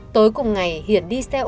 tối cùng ngày hiển đi xe ô tô